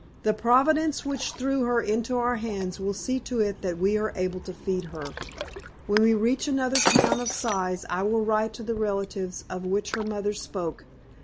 "The Providence which threw her into our hands will see to it that we are able to feed her. When we reach another town of size I will write to the relatives of which her mother spoke.